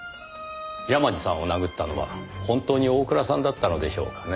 山路さんを殴ったのは本当に大倉さんだったのでしょうかね？